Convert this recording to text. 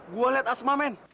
gua liat asma men